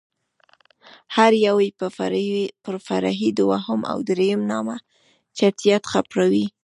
هر يو يې په فرعي دوهم او درېم نامه چټياټ خپروي.